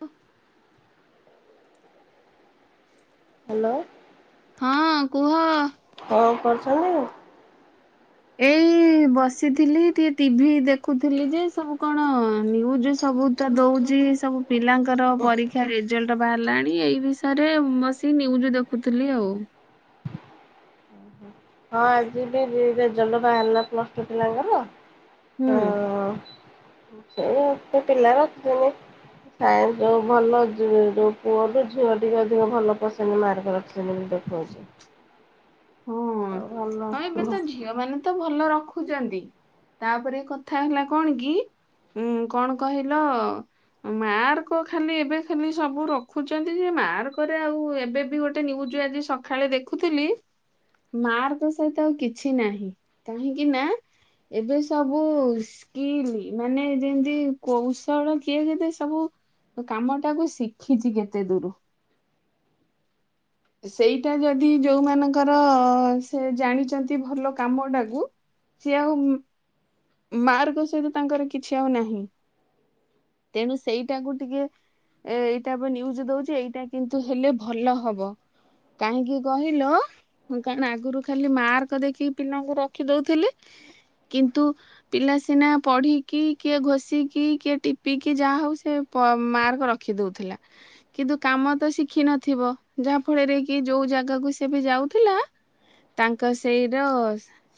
ୱ hello ହଁ କୁହ କଣ କରୁଛନ୍ତି ଆ। ଏଇ ବସିଥିଲି ଟିକେ ଟିଭି ଦେଖୁଥିଲି ଯେ ସବୁ କଣ ନିୁଜ ସବୁ ତ ଦଉଛି ସବୁ ପିଲାଙ୍କର ପରୀକ୍ଷା ରେଜଲ୍ଟ ବାହାରିଲାଣି ଏଇ ବିଷୟରେ ବସି ନିୁଜ ଦେଖୁଥିଲି ଆଉ ହଁ ଆଜି ବି ରେଜଲଟ ବାହାରିଲା ପ୍ଲସ ଟୁ ପିଲାଙ୍କଲ ହୁଁ। ସେ ଏତେ ପିଲା ରଖଛନ୍ତିନ ଯୋଉ ଭଲ ଯୋଉ ପୁଅରୁୁ ଝିଅ ଟେ ଅଧିକ ଭଲ ପସ ମାର୍କ ରଖିଛନ୍ତି ଦେଖଉଛି। ହଁ ଆଉ ହଁ ଏବେ ଭଲ ତ ଝିଅ ମାନେ ତ ଭଲ ରଖୁଛନ୍ତି ତାପରେ କଥା ହେଲା କଣ କି ଉ କଣ କହିଲ ମାର୍କ ଖାଲି ଏବେ ଖାଲି ସବୁ ରଖୁଛନ୍ତି ଯେ ମାର୍କରେ ଆଉ ଏବେ ବି ଗୋଟେ ନିୁଜ ଆଜି ସକାଳେ ଦେଖୁଥିଲି। ମାର୍କ ସହିତ ଆଉ କିଛି ନାହିଁ କାହିଁକି ନା ଏବେ ସବୁ ସ୍କିଲ୍ ମାନେ ଯେମିତି କୌଶଳ କିଏ କେତେ ସବୁ କାମ ଟାକୁ ଶିଖିଛି କେତେ ଦୂର ସେଇଟା ଯଦି ଯୋଉମାନଙ୍କର ସେ ଜାଣିଛନ୍ତି ଭଲ କାମଟାକୁ ସିଏ ଆଉ ମାର୍କ ସହିତ ତାଙ୍କର କିଛି ଆଉ ନାହିଁ ତେଣୁ ସେଇଟାକୁ ଟିକେ ଏଇଟା ନିଜ ଦଉଛି ଏଇଟା କିନ୍ତୁ ହେଲେ ଭଲ ହବ କାହିଁକି କହିଲ କ ଆଗରୁ ଖାଲି ମାର୍କ ଦେଖିକି ପିଲାଙ୍କୁ ରଖି ଦଉଥିଲେ କିନ୍ତୁ ପିଲା ସିନା ପଢିକି କିଏ ଘୋଷିକି କିଏ ଟିପିକି ଯାହା ହଉ ସେ ମାର୍କ ରଖି ଦଉଥିଲା କିନ୍ତୁ କାମ ତ ଶିଖି ନଥିବ ଯାହା ଫଳରେ କି ଯୋଉ ଜାଗାକୁ ସେ ବି ଯାଉଥିଲା ତାଙ୍କ ସେଇର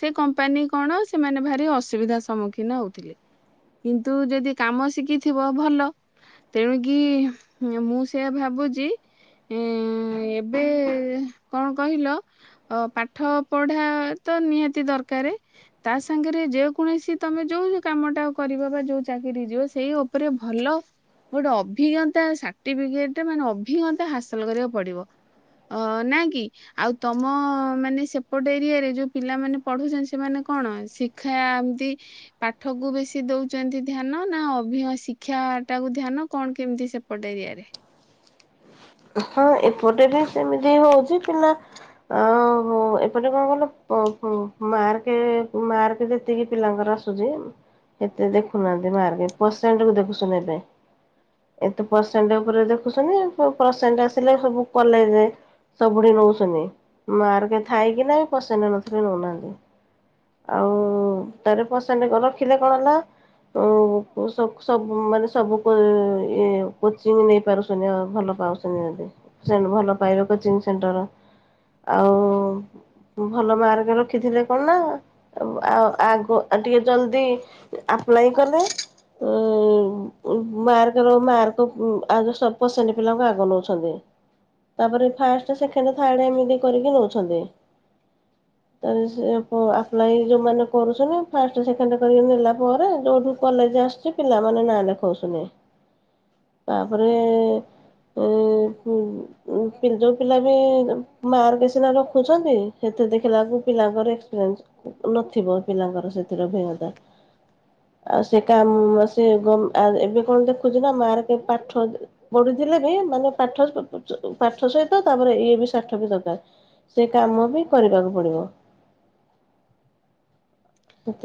ସେ କମ୍ପାନୀ କଣ ସେମାନେ ଭାରି ଅସୁବିଧା ସମ୍ମୁଖୀନ ହଉଥିଲେ କିନ୍ତୁ ଯଦି କାମ ଶିଖିଥିବ ଭଲ ତେଣୁିକି ମୁଁ ସେ ଭାବୁଛି ଏବେ କଣ କହିଲ ପାଠ ପଢା ତ ନିହାତି ଦରକ ତା ସାଙ୍ଗରେ ଯେ କୌଣସି ତମେ ଯୋଉଉ କାମଟା କରିବ ବା ଯୋଉ ଚାକିରି ଯିବ ସେଇ ଉପରେ ଭଲ ଗୋଟେ ଅଭିଜ୍ଞତା ସାର୍ଟିଫିକେଟ ମାନେ ଅଭିଜ୍ଞତା ହାସଲ କରିବାକୁ ପଡିବ ଅ ନ କି ଆଉ ତମ ମାନେ ସେପଟ ଏରିଆରେ ଯୋଉ ପିଲାମାନୋନ ପଢୁଛନ୍ତି ସେମାନେ କଣ ଶିକ୍ଷା ଏମତି ପାଠ କୁ ବେଶୀ ଦଉଛନ୍ତି ଧ୍ୟାନ ନା ଅଭି ଶିକ୍ଷା ଟାକୁ ଧ୍ୟାନ କଣ କେମିତି ସେପଟ ଏରିଆରେ ହଁ ଏପଟେ ବି ସେମିତି ହଉଛି ପିଲା ଆଉ ଏପଟେ କଣ କଲ ମାର୍କ ମାର୍କ ଯେତିକି ପିଲାଙ୍କର ଆସୁଛି ଏତେ ଦେଖୁନାହାନ୍ତି ମାର୍କ ପରସେଣ୍ଟ କ ଦେଖୁୁନ ଏ ଏତେ ପରସେଣ୍ଟ ଉପରେ ଦେଖୁୁନି ସେଣ୍ଟ ଆସିଲେ ସବୁ କଲେଜରେ ସବୁଠି ନଉୁନି ମା ଥାଇକି ନାାଇ ପସେଣ୍ଟ ନଥିଲେ ନେଉନାହାନ୍ତି ଆଉ ତାର ପସେଣ୍ଟ ରଖିଲେ କଣ ହେଲାୁ ମାନେ ସବୁ କୋଚିଂ ନେଇ ପାରୁୁି ଆ ଭଲ ପା ଭଲ ପାଇ କୋଚି ସେଣ୍ଟର ଆଉ ଭଲ ମାର୍କ ରଖିଥିଲେ କଣ ନା ଆଉ ଆଗ ଟିକେ ଜଲଦି ଆପ୍ କଲେ ମକ ମକ ପିଲା ତାପରେ ଫା ଥମି କରିକି ନଉଛନ୍ତି ଆପ୍ୋଉ କରୁ ଫାଣ୍ଡ କର ନେଲା ପରେ ଯୋଉଠୁ କଲେଜ ଆସୁଛି ପିଲାମାନେ ନାଁ ଲେଖଉଛନ୍ତିଛନ୍ତି ତାପରେ ଉ ପିଜୁ ପିଲା ବି ମାର୍କ ସିନା ରଖୁଛନ୍ତି ସେଥି ଦେଖିଲାକୁ ପିଲାଙ୍କର ଏକ୍ସପିରିସ ନଥିବ ପିଲାଙ୍କର ସେଥିର ଅ ଭଜ୍ଞତା ଆଉ ସେ କାମ ସେ ଏବେ କଣ ଦେଖୁଛି ନା ମାର୍ ପାଠ ପଢିଥିଲେ ବି ମାନେ ପାଠ ପାଠ ସହିତ ତାପରେ ଇଏ ବି ସାଠ ବି ଦରକାର ସେ କାମ ବି କରିବାକୁ ପଡିବ।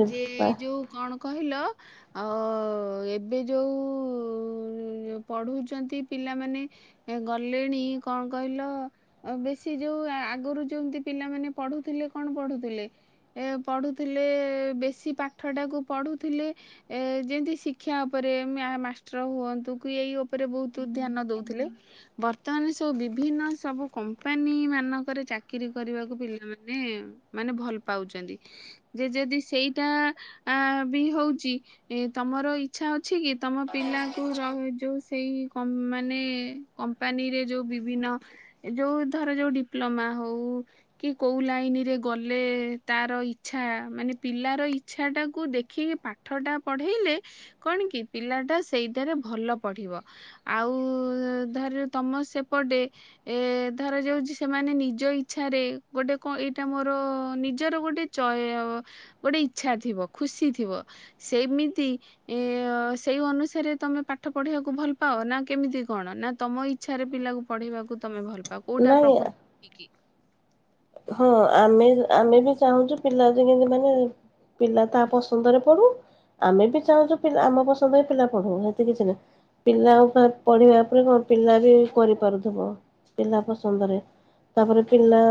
ଯେ ଏଇ ଯୋଉ କଣ କହିଲ ଆଉ ଅ ଏବେ ଯୋଉ ପଢୁଛନ୍ତି ପିଲାମାନେ ଗଲେଣି କଣ କହିଲ ବେଶୀ ଯୋଉ ଆଗରୁ ଯେମତି ପିଲାମାନେ ପଢୁଥିଲେ କଣ ପଢୁଥିଲେ ଏ ପଢୁଥିଲେ। ବ ପାଠ ଟାକୁ ପଢୁଥିଲେ ଏ ଯେମିତି ଶିକ୍ଷା ଉପରେ ମାଷ୍ଟର ହୁଅନ୍ତୁ କି ଏଇ ଉପରେ ବହୁତ ଧ୍ୟାନ ଦଉଥିଲେ ବର୍ତ୍ତମାନ ସବୁ ବିଭିନ୍ନ ସବୁ କମ୍ପାନୀ ମାନଙ୍କରେ ଚାକିରୀ କରିବାକୁ ପିଲାମାନେ ମାନେ ଭଲ ପାଉଛନ୍ତି ଯେ ଯଦି ସେଇଟା ବି ହଉଛି ତମର ଇଚ୍ଛା ଅଛି କି ତମ ପିଲାଙ୍କୁ ଯୋଉ ସେଇ ମାନେ କମ୍ପାନୀରେ ଯୋଉ ବିଭିନ୍ନ ଯୋଉ ଧର ଯୋଉ ଡିପ୍ଲୋମା ହଉ କି କୋଉ ଲାଇନରେ ଗଲେ ତାର ଇଚ୍ଛା ମାନେ ପିଲାର ଇଚ୍ଛାଟାକୁ ଦେଖିକି ପାଠଟା ପଢେଇଲେ କଣ କି ପିଲାଟା ସେଇଟାରେ ଭଲ ପଢିବ ଆଉ ଧର ତମ ସେପଟେ ଏ ଧରାଯାଉଛି ସେମାନେ ନିଜ ଇଚ୍ଛାରେ ଗୋଟେ କଣ ଏଇଟା ମୋର ନିଜର ଗୋଟେ ଗୋଟେ ଇଚଛା ଥିବ ଖୁସି ଥିବ ସେମିତି ଏ ସେଇ ଅନୁସାରେ ତମେ ପାଠ ପଢିବାକୁ ଭଲ ପାଅ ନା କେମିତି କଣ ନା ତମ ଇଚଛାରେ ପିଲାକୁ ପଢେଇବାକୁ ତମେ ଭଲ ପାଅ ବା କୋଉଟା ନାଇଁ ପ୍ରକୃତି ହେଇ କି? ହଁ ଆମେ ଆମେ ବି ଚାହୁଁଛୁ ପିଲା ଯେତି ମାନେ ପିଲା ତା ପସନ୍ଦରେ ପଢୁ ଆମେ ବି ଚାହୁଁଛୁ ଆମ ପସନ୍ଦରେ ପିଲା ପଢୁ ସେତ କିଛି ନାହିଁ ପିଲା ପଢିବା ଉପରେ କଣ ପିଲା ବି କରିପାରୁଥିବ ପିଲା ପସନ୍ଦରେ ତାପରେ ପିଲା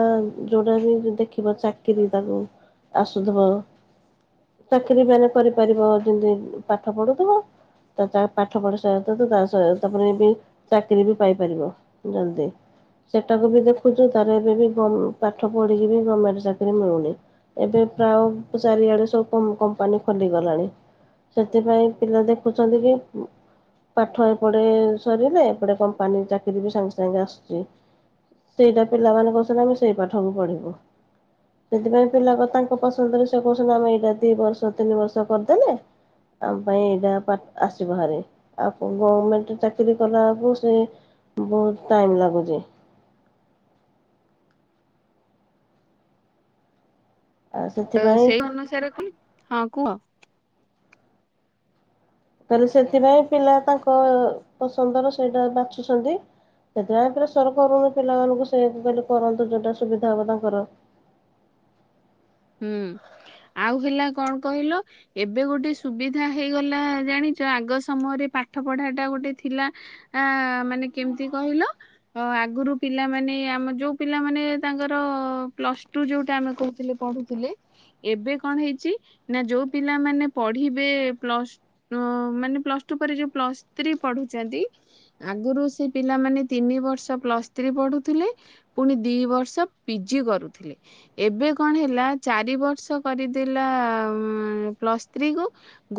ଯୋଉଟା ବି ଦେଖିବ ଚାକିରୀ ତାକୁ ଆସୁଥିବ ଚାକିରୀ ମାନେ କରିପାରିବ ଯେମିତି ପାଠ ପଢୁଥିବ ତା ପାଠ ପଢି ସ ତା ତାପରେ ବି ଚାକିରୀ ବି ପାଇପାରିବ ଜଲଦି ସେଟାକୁ ବି ଦେଖୁଛୁ ତାର ଏବେ ବି ପାଠ ପଢିକି ବି ଗଭର୍ଣମେଣ୍ଟ ଚାକିରରି ମିଳୁନି ଏବେ ପ୍ରାୟ ଚାରିଆଡେ ସବୁ କମ୍ପାନୀ ଖୋଲିଗଲାଣି ସେଥିପାଇଁ ପିଲା ଦେଖୁଛନ୍ତି କି ପାଠ ଏପଟେ ସରିଲେ ଏପଟେ କମ୍ପାନୀ ଚାକିରରି ବି ସାଙ୍ଗେ ସାଙ୍ଗେ ଆସୁଛି ସେଇଟା ପିଲାମାନଙ୍କ ସ ସେଇ ପାଠକୁ ପଢ଼ିବୁ ସେଥିପାଇଁ ପିଲା ତାଙ୍କ ପସନ୍ଦରେ ସେ କହୁଛନ୍ତି ଆମେ ଏଇଟା ଦୁଇ ବର୍ଷ ତିନି ବର୍ଷ କରିଦେଲେ ଆମ ପାଇଁ ଏଇଟା ଆସିବ ଭାରି ଆଉ ଗଭର୍ମେଣ୍ଟ ଚାକିରିୀ କଲାକୁ ସେ ବହୁତ ଟାଇମ୍ ଲାଗୁଛି। ଆଉ ତ ସେଥିପାଇଁ ସେଇ ଅନୁସାରେ କ ହଁ କୁହ ତାହଲେ ସେଥିପାଇଁ ପିଲା ତାଙ୍କ ପସନ୍ଦର ସେଇଟା ବାଛୁଛନ୍ତି ସେଥିପାଇଁ ପ୍ରେସର କରୁନି ପିଲାମାନାନଙ୍କୁ ସେ କରନ୍ତୁ ଯଉଟା ସୁବିଧା ହବ ତାଙ୍କର ହୁଁ ଆଉ ହେଲା କଣ କହିଲ ଏବେ ଗୋଟେ ସୁବିଧା ହେଇଗଲା ଜାଣିଛ ଆଗ ସମୟରେ ପାଠ ପଢା ଟା ଗୋଟେ ଥିଲା ଆ ମାନେ କେମିତି କହିଲ ଆଗରୁ ପିଲାମାନେ ଆମ ଯୋଉ ପିଲାମାନେ ତାଙ୍କର ପ୍ଲସ ଟୁ ଯୋଉଟା ଆମେ କହୁଥିଲେ ପଢୁ ଏବେ କଣ ହେଇଛି ନା ଯୋଉ ପିଲାମାନେ ପଢିବେ ପ୍ଲ ମାନେ ପ୍ଲସ ଟୁ ପରେ ଯୋଉ ପ୍ଲ ଥ୍ରୀ ପଢୁଛନ୍ତି ଆଗରୁ ସେ ପିଲାମାନେ ତିନି ବର୍ଷ ପ୍ଲସ୍ ଥ୍ରୀ ପଢୁଥିଲେ ପୁଣି ଦି ବର୍ଷ ପିଜି କରୁଥିଲେ ଏବେ କଣ ହେଲା? ଚାରି ବର୍ଷ କରିଦେଲା ପ୍ଲସ୍ ଥ୍ରୀ କୁ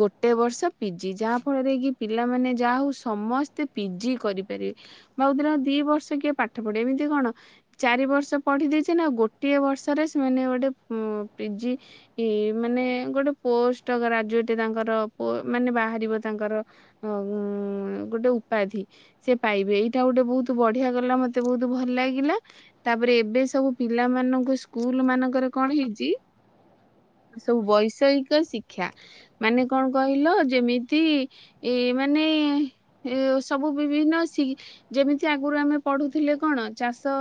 ଗୋଟେ ବର୍ଷ ପିଜି ଯାହା ଫଳରେ କି ପିଲାମାନେ ଯାହା ହଉ ସମସ୍ତେ ପିଜି କରିପାରିବେ ବାଉଦିନ ଦି ବର୍ଷ କିଏ ପାଠ ପଢେ ଏମିତି କଣ ଚାରି ବର୍ଷ ପଢି ଦେଇେଇଛ ନା ଗୋଟିଏ ବର୍ଷରେ ସେମାନେ ଗୋଟେ ହଁ ପିଜି ମାନେ ଗୋଟେ ପୋଷ୍ଟ ଗ୍ରାଜୁଏଟ ତାଙ୍କର ମାନେ ବାହାରିବ ତାଙ୍କର ଗୋଟେ ଉପାଧି ସେ ପାଇବେ ଏଇଟା ଗୋଟେ ବହୁତ ବଢିଆ ଗଲା ମତେ ବହୁତ ଭଲ ଲାଗିଲା ତାପରେ ଏବେ ସବୁ ପିଲାମାନଙ୍କୁ ସ୍କୁଲ ମାନଙ୍କର କଣ ହେଇଛି ସବୁ ବୈଷୟିକ ଶିକ୍ଷା ମାନେ କଣ କହିଲ ଯେମିତି ଏ ମାନେ ସବୁ ବିଭିନ୍ନ ଯେମିତି ଆଗରୁ ଆମେ ପଢୁଥିଲେ କଣ ଚାଷ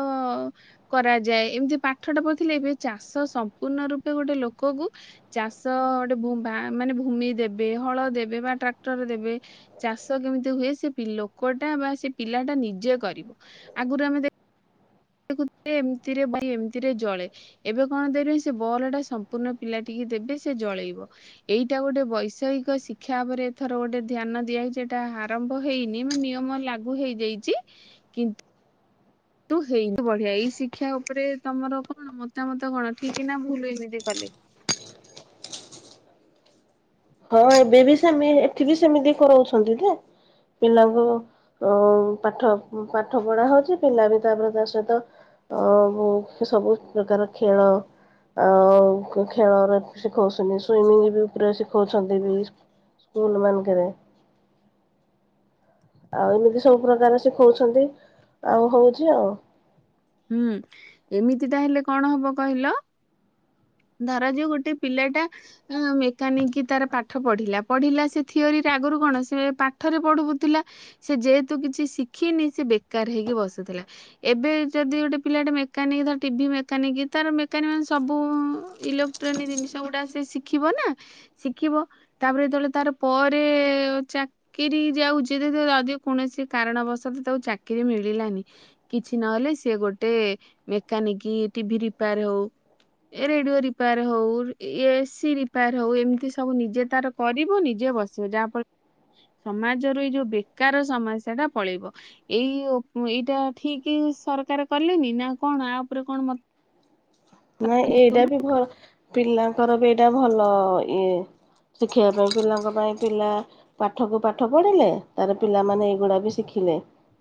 କରାଯାଏ ଏମିତି ପାଠଟା ପଢ଼ୁଥିଲେ ଏବେ ଚା ଚାଷ ସମ୍ପୂର୍ଣ ରୂପେ ଗୋଟେ ଲୋକକୁ ଚାଷ ଗୋଟେ ମାନେ ଭୂମି ଦେବେ ହଳ ଦେବେ ବା ଟ୍ରାକ୍ଟର ଦେବେ ଚାଷ କେମିତି ହୁଏ ସେ ଲୋକଟା ବା ସେ ପିଲାଟା ନିଜେ କରିବ ଆଗରୁ ଆମେ ଏମିତିରେ ଏମିତିରେ ଜଳେ ଏବେ କଣ ଦେବେ ସେ ବଲ ଟା ସମ୍ପୂର୍ଣ୍ଣ ପିଲା ଟିକେ ଦେବେ ସେ ଜଳେଇବ ଏଇଟା ଗୋଟେ ବୈଷୟିକ ଶିକ୍ଷା ଭାବରେଥର ଗୋଟେ ଧ୍ୟାନ ଦିଆ ହୋଇଛି ଏଟା ଆରମ୍ଭ ହେଇନି ମ ନିୟମ ଲାଗୁ ହେଇଯାଇଛି କିନ୍ତୁ ତୁ ହେଇୁ ବଢିଆ ଏଇ ଶିକ୍ଷା ଉପରେ ତମର କଣ ମତାମତ କଣ ଠିକ ନା ଭୁଲ ଏମିତି କଲେ ହଁ ଏବେ ବି ସେମି ଏଠି ବି ସେମିତି କରାଉଛନ୍ତି ଯେ ପିଲାଙ୍କୁ ଅ ପାଠ ପାଠ ପଢା ହଉଛି ପିଲା ବି ତାପରେ ତା ସହିତ ଅ ସବୁ ପ୍ରକାର ଖେଳ ଆ ଖେଳରେ ଶିଖଉଛନ୍ତି ସୁମିଙ୍ଗ ବି ଉପରେ ଶି ଖାଉଛନ୍ତି ବି ସ୍କୁଲ ମାନଙ୍କରେ ଆଉ ଏମିତି ସବୁ ପ୍ରକାର ଶିଖଉଛନ୍ତି ଆଉ ହଉଛି ଆଉ ହୁଁ ଏମିତିଟା ହେଲେ କଣ ହବ କହିଲ ଧର ଯେ ଗୋଟେ ପିଲାଟା ମେକାନିକ କି ତାର ପାଠ ପଢିଲା ପଢିଲା ସେ ଥିଓରରେ ଆଗରୁ କଣ ସେ ପାଠରେ ପଢୁଥିଲା ସେ ଯେହେତୁ କିଛି ଶିଖିନି ସେ ବେକାର ହେଇକି ବସୁଥିଲା ଏବେ ଯଦି ଗୋଟେ ପିଲା ଗଟେ ମେକାନିକ ଟିଭି ମେକାନିକ ତାର ମେକାନିକ ମାନେ ସବୁ ଇଲେକ୍ଟ୍ରୋନିକ୍ ଜିନିଷ ଗୁଡା ସେ ଶିଖିବ ନା ଶିଖିବ। ତାପରେ ଯେତେବେଳେ ତାର ପରେ ଚାକିରି ଯାଉଛି ଯ ଯଦି କୌଣସି କାରଣବଶତ ତାକୁ ଚାକିରରି ମିଳିଲାନି କିଛି ନହେଲେ ସେ ଗୋଟେ ମେକାନିକ ଟିଭି ରିପେୟାର ହଉ ରେଡିଓ ରିପେୟାର ହଉ ଏସି ରିପେୟାର ହଉ ଏମିତି ସବୁ ନିଜେ ତାର କରିବ ନିଜେ ବସିବ। ଯାହାଫଳରେ ସମାଜର ଏଇ ଯୋଉ ବେକାର ସମସ୍ୟା ଟା ପଳେଇବ। ଏଇ ଏଇଟା ଠିକ ସର ତାର କଲେନି ନା କଣ ଆ ଉପରେ କଣ ମତେ ନାାଇଁ ଏଇଟା ବି ଭଲ ପିଲାଙ୍କର ବି ଏଇଟା ଭଲ ଇଏ ଶିଖିବା ପାଇଁ ପିଲାଙ୍କ ପାଇଁ ପିଲା ପାଠ କ ପାଠ ପଢିଲେ ତାର ପିଲାମାନେ ଏଇଗୁଡା ବି ଶିଖିଲେ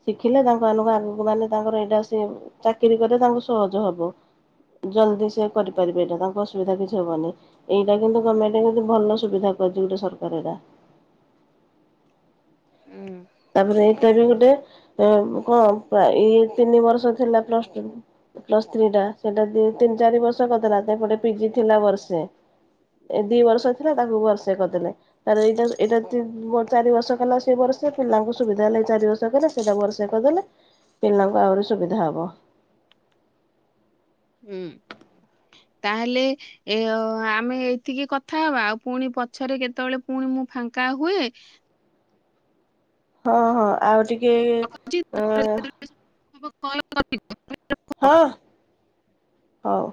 ଶିଖିଲେ ତାଙ୍କ ମଙ୍କୁ ଆଗକୁ ମାନେ ତାଙ୍କର ଏଇଟା ସେ ଚାକିରି କଲେ ତାଙ୍କୁ ସହଜ ହବ। ଜଲଦି ସେ କରିପାରିବେ ଏଇଟା ତାଙ୍କ ଅସୁବିଧା କିଛି ହବନି ।ଏଇଟା କିନ୍ତୁ ଗଭର୍ଣମେଣ୍ଟ ଭଲ ସୁବିଧା କୁଛି ଗୋଟେ ସରକାର ଏଇଟା। ହୁଁ ତାପରେ ଏଇଟା ବି ଗୋଟେ କଣ ଇଏ ତିନି ବର୍ଷ ଥିଲା ପ୍ଲ ଟ ପ୍ଲସ ଥ୍ରୀ ଟା ସେଟା ତିନି ଚାରି ବର୍ଷ କରିଦେଲାପଟେ ପିଜି ଥିଲା ବର୍ଷେ ଦି ବର୍ଷ ଥିଲା ତାକୁ ବର୍ଷେ କରିଦେଲେ ତାରେ ଏଇଟା ଏଟା ଚାରି ବର୍ଷ କଲା ସେ ବର୍ଷେ ପିଲଙ୍କୁ ସୁବିଧ ହେଲେ ଚାରି ବର୍ଷକଲେ ପିଲାଙ୍କର ସେ କରିଦେଲେ ପିଲାଙ୍କୁ ଆହୁରି ସୁବିଧା ହବ। ହୁଁ ତାହେଲେ ଏ ଆମେ ଏଇତିକି କଥା ହବା ଆଉ ପୁଣି ପଛରେ କେତେବେଳେ ପୁଣି ମୁଁ ଫାଙ୍କା ହୁଏ ହଁ ହଁ ଆଉ ଟିକେ କି ରଖୁଛି। ଆ [inaudible] ହଁ ହଉ।